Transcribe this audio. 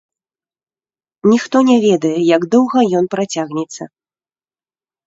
Ніхто не ведае, як доўга ён працягнецца.